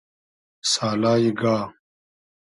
سالای گا